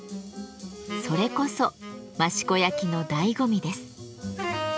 それこそ益子焼のだいご味です。